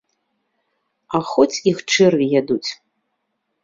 А хоць іх чэрві ядуць.